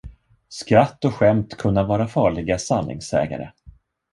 Skratt och skämt kunna vara farliga sanningssägare.